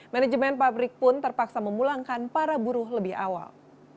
manajemen pabrik pun terpaksa memulangkan para buruh lebih awal